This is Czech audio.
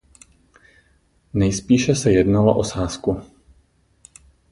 Nejspíše se jednalo o sázku.